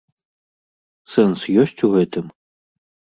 Сэнс ёсць у гэтым?